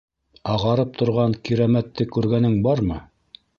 - Ағарып торған Кирәмәтте күргәнең бармы?